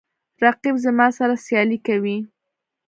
رقیب زما سره سیالي کوي